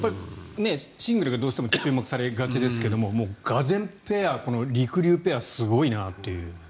シングルがどうしても注目されがちですががぜん、ペアりくりゅうペアすごいなという。